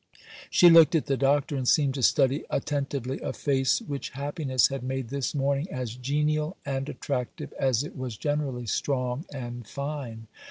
She looked at the Doctor, and seemed to study attentively a face which happiness had made this morning as genial and attractive as it was generally strong and fine.